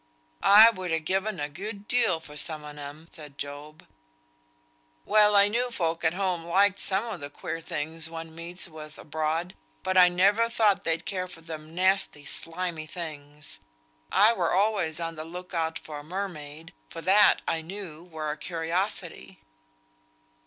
"I would ha' given a good deal for some on 'em," said Job. "Well, I knew folk at home liked some o' the queer things one meets with abroad; but I never thought they'd care for them nasty slimy things. I were always on the look out for a mermaid, for that I knew were a curiosity."